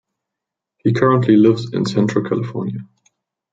He currently lives in central California.